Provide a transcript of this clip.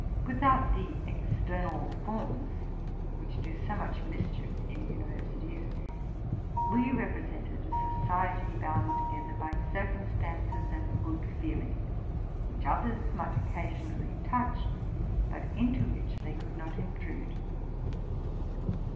Without the external forms, which do so much mischief in universities, we represented a society bound together by circumstances and good feeling, which others might occasionally touch, but into which they could not intrude.